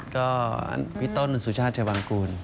ก็พี่ต้นสุชาชบางกูล